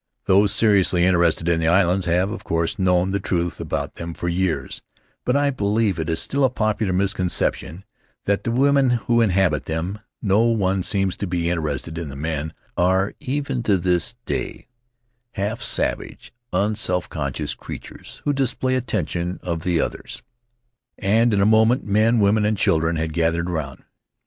Those seriously interested in the islands have, of course, known the truth about them for years; but I believe it is still a popular miscon ception that the women who inhabit them — no one seems to be interested in the men — are even to this day half savage, unself conscious creatures who display Faery Lands of the South Seas their charms to the general gaze with naive indiffer ence.